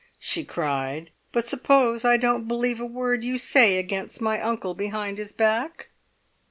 she cried. "But suppose I don't believe a word you say against my uncle behind his back?"